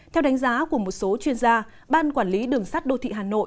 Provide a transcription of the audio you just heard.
theo đánh giá của một số chuyên gia ban quản lý đường sắt đô thị hà nội